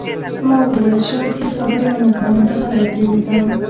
ما وویل: شاید هیڅ خبرې ونه کړم، زه غلی پرېوځم.